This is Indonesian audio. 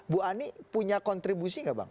bu ani punya kontribusi nggak bang